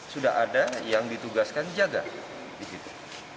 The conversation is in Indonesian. sudah ada yang ditugaskan jaga di situ